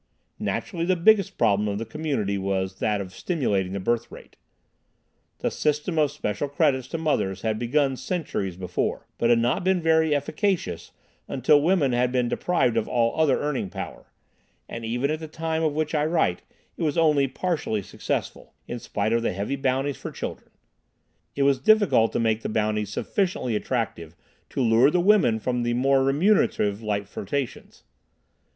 Naturally the biggest problem of the community was that of stimulating the birth rate. The system of special credits to mothers had begun centuries before, but had not been very efficacious until women had been deprived of all other earning power, and even at the time of which I write it was only partially successful, in spite of the heavy bounties for children. It was difficult to make the bounties sufficiently attractive to lure the women from their more remunerative light flirtations.